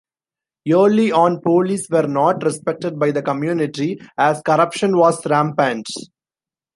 Early on, police were not respected by the community, as corruption was rampant.